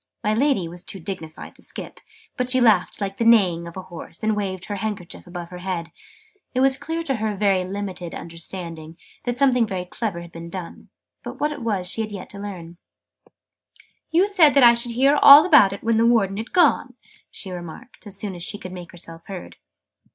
My Lady was too dignified to skip, but she laughed like the neighing of a horse, and waved her handkerchief above her head: it was clear to her very limited understanding that something very clever had been done, but what it was she had yet to learn. "You said I should hear all about it when the Warden had gone," she remarked, as soon as she could make herself heard.